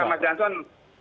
ya mas jansan